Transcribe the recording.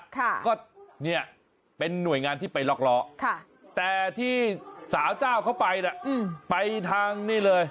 ค่ะก็เนี่ยเป็นหน่วยงานที่ไปล็อกล้อค่ะแต่ที่สาวเจ้าเขาไปน่ะไปทางนี่เลย